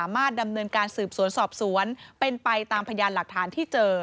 ดำเนินการสืบสวนสอบสวนเป็นไปตามพยานหลักฐานที่เจอ